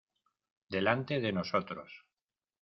delante de nosotros.